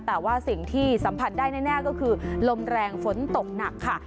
แต่ว่าสิ่งที่สัมผัสได้แน่ก็คือลมแรงฝนตกหนักค่ะ